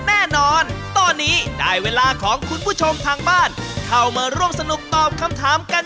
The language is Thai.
แล้วล่ะเป็นเวลาเดียวกับหลานนครดูอาจารย์กัน